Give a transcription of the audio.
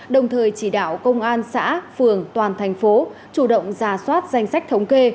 đồng thời chỉ đạo công an xã phường toàn thành phố chủ động ra soát danh sách thống kê